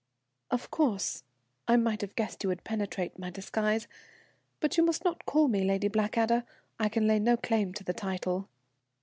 "Of course, I might have guessed you would penetrate my disguise, but you must not call me Lady Blackadder. I can lay no claim to the title."